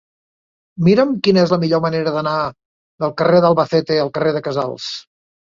Mira'm quina és la millor manera d'anar del carrer d'Albacete al carrer de Casals.